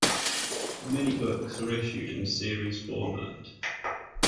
Many books are issued in series format.